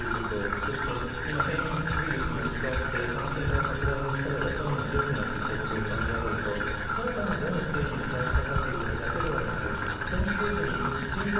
そして、今変異ウイルスに置き換わって感染の拡大の力が更に強くなってきたことを考えるとただ単にどのステージに達したかということではなくそのステージに行くスピード